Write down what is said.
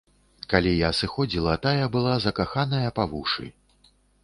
Калі я сыходзіла, тая была закаханая па вушы.